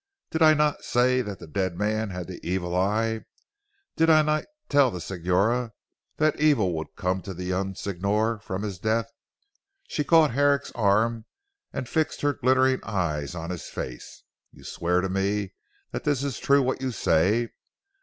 "Did I not say that the dead man had the evil eye! Did I not tell the Signora that evil would come to the young Signor from this death?" She caught Herrick's arm and fixed her glittering eyes on his face. "You swear to me that this is true what you say?